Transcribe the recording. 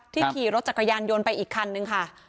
ขี่รถจักรยานยนต์ไปอีกคันนึงค่ะ